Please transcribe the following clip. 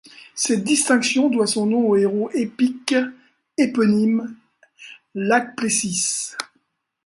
Cette distinction doit son nom au héros épique éponyme Lāčplēsis.